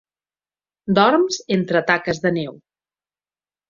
Dorms entre taques de neu.